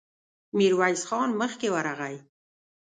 ميرويس خان مخکې ورغی.